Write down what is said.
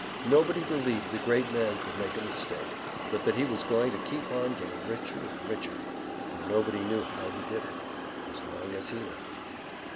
Nobody believed the great man could make a mistake, but that he was going to keep on getting richer and richer (though nobody knew how he did it) as long as he lived.